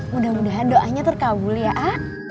mudah mudahan doanya terkabul ya a